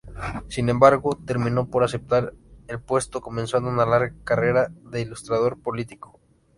Sin embargo, terminó por aceptar el puesto, comenzando una larga carrera de ilustrador político.